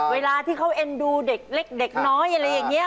เวลาที่เขาเอ็นดูเด็กเล็กเด็กน้อยอะไรอย่างนี้